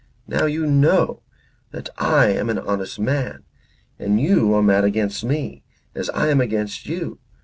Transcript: Now you know that I am an honest man, and you are mad against me, as I am against you.